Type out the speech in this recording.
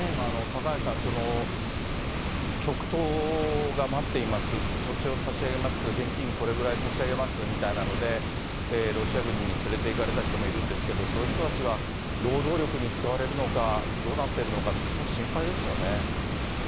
高橋さん、きょくとうが待っています、土地を差し上げます、現金これぐらい差し上げますみたいなので、ロシア軍に連れていかれた人もいるんですけれども、そういう人たちは労働力に使われるのか、どうなってるのかって、すごく心配ですよね。